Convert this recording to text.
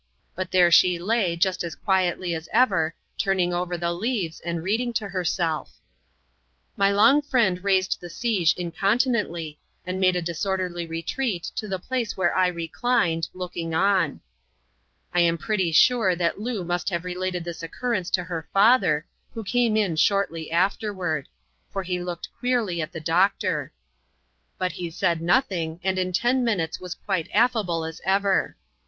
But there she lay just as quietly as ever, turning over the leaves, and reading to hersel£ My long friend raised the siege incontinently, and made a disorderly retreat to the place where I reclined, looking on. I am pretty sure that Loo must have related this occurrence to her father, who came in shortly afterward ; for he looked q^early at the doctor. But he said nothing, and in ten minutes was quite affable as ever.